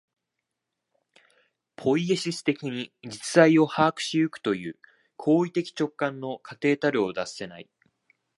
ポイエシス的に実在を把握し行くという行為的直観の過程たるを脱せない。